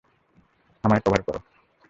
আমায় কভার করো।